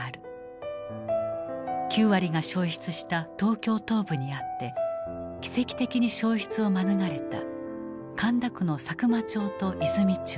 ９割が焼失した東京東部にあって奇跡的に焼失を免れた神田区の佐久間町と和泉町。